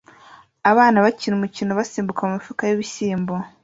Abantu bakina umukino basimbuka mumifuka y'ibishyimbo